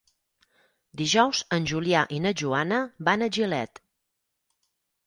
Dijous en Julià i na Joana van a Gilet.